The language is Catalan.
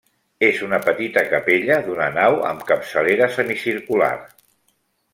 És una petita capella d'una nau amb capçalera semicircular.